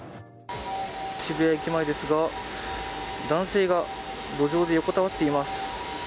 渋谷駅前ですが男性が路上で横たわっています。